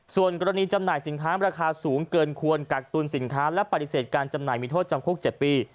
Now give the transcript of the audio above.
ส่วนกรณีจำหน่ายสินค้าราคาสูงเกินควรกักตุลสินค้าและปฏิเสธการจำหน่ายมีโทษจำคุก๗ปี